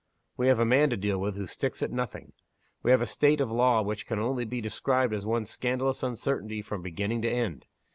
We have a man to deal with who sticks at nothing. We have a state of the law which can only be described as one scandalous uncertainty from beginning to end.